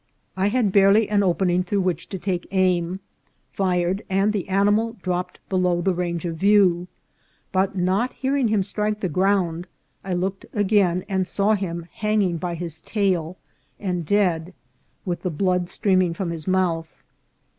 I had barely an opening through which to take aim, fired, and the animal dropped below the range of view ; but, not hearing him strike the ground, I looked again, and saw him hanging by his tail, and dead, with the blood streaming from his mouth.